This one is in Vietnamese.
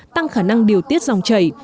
tăng khả năng điều tiết dòng chảy